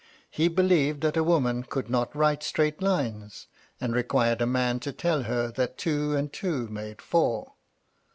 He believed that a woman could not write straight lines, and required a man to tell her that two and two made four.